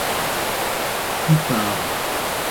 Ipaba